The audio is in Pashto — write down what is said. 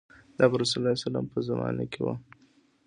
دا په رسول الله په زمانه کې و.